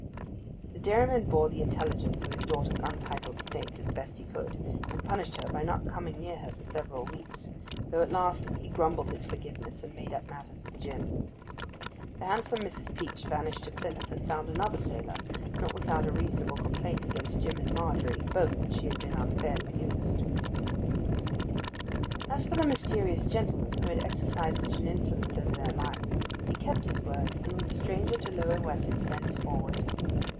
The dairyman bore the intelligence of his daughter's untitled state as best he could, and punished her by not coming near her for several weeks, though at last he grumbled his forgiveness, and made up matters with Jim. The handsome Mrs. Peach vanished to Plymouth, and found another sailor, not without a reasonable complaint against Jim and Margery both that she had been unfairly used. As for the mysterious gentleman who had exercised such an influence over their lives, he kept his word, and was a stranger to Lower Wessex thenceforward.